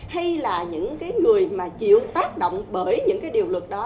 hay là những cái người mà chịu tác động bởi những cái điều luật đó